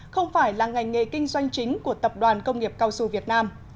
không phải là ngành nghề kinh doanh chính của tập đoàn công nghiệp cao su việt nam